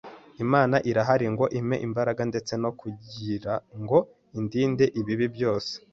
Imana irahari ngo impe imbaraga ndetse no kugirango indinde ibibi byose.